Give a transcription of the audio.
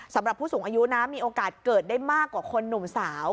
สำหรับผู้สูงอายุนะมีโอกาสเกิดได้มากกว่าคนหนุ่มสาว